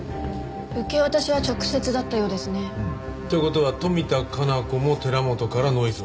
受け渡しは直接だったようですね。という事は富田加奈子も寺本からノイズを。